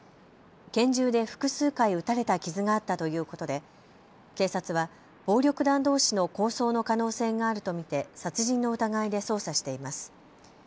拳銃で複数回撃たれた傷があったということで警察は暴力団どうしの抗争の可能性があると見て殺人の疑いで捜査しています。